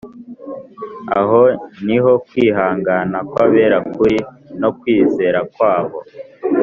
Aho ni ho kwihangana kw’abera kuri no kwizera kwabo.